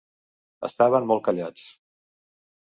Estaven molt callats.